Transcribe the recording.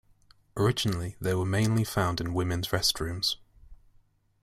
Originally they were mainly found in women's restrooms.